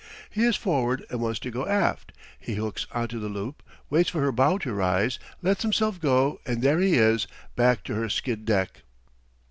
He is forward and wants to go aft he hooks onto the loop, waits for her bow to rise, lets himself go and there he is back to her skid deck.